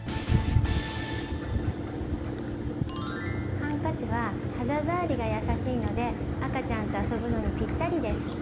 ハンカチは肌触りが優しいので赤ちゃんと遊ぶのにぴったりです。